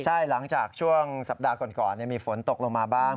ใช่หลังจากช่วงสัปดาห์ก่อนมีฝนตกลงมาบ้าง